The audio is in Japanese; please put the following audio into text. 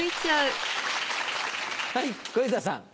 はい小遊三さん。